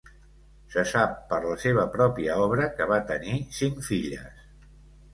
Se sap per la seva pròpia obra que va tenir cinc filles.